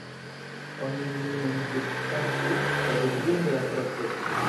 Oni neniam subtaksu la defion de la frosto!